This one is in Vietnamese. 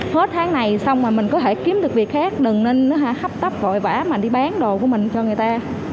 hết tháng này xong rồi mình có thể kiếm được việc khác đừng nên khắp tắp vội vã mà đi bán đồ của mình cho người ta